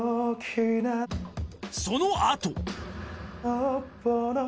その後